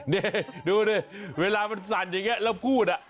นี่ดูดิเวลามันสั่นอย่างนี้แล้วพูด